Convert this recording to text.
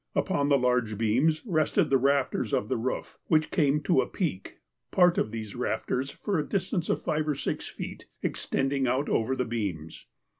Upon the large beams rested the rafters of the roof, which came to a peak, part of these rafters, for a distance of five or six feet, extending out over the beams.